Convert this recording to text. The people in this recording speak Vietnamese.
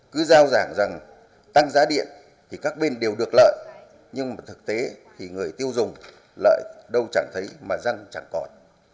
cứ giao giảng rằng tăng giá điện thì các bên đều được lợi nhưng mà thực tế thì người tiêu dùng lợi đâu chẳng thấy mà răng chẳng còn